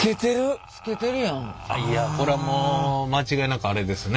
これはもう間違いなくアレですね。